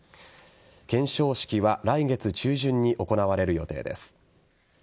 顕彰式は来月中旬に行われる予定です。